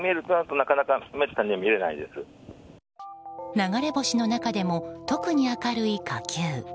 流れ星の中でも特に明るい火球。